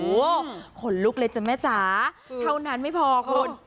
โอ้โหขนลุกเลยจ้ะแม่จ๋าเท่านั้นไม่พอคุณ